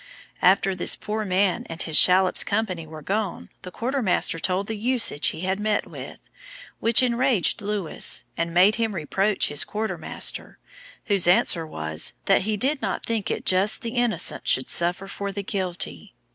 After this poor man and his shallop's company were gone, the quarter master told the usage he had met with, which enraged Lewis, and made him reproach his quarter master, whose answer was, that he did not think it just the innocent should suffer for the guilty.